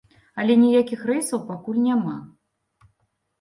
Але ніякіх рэйсаў пакуль няма.